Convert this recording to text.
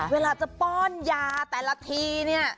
เวลาจะป้อนยาแต่ละทีเนี่ย